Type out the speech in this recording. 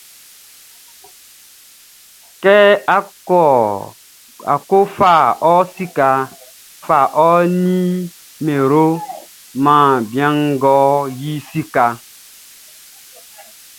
Kɛ á kɔ́ fa ɔ sikaʼn, fa ɔ nimeroʼn man bian ngʼɔ yi sikaʼn.